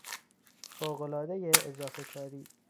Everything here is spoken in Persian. فوقالعادهی اضافه کاری